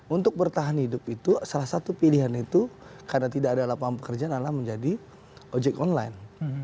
untuk bertahan hidup itu salah satu pilihan itu karena tidak ada lapangan pekerjaan adalah menjadi ojek online